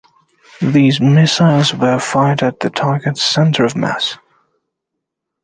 These missiles were fired at the target's center of mass.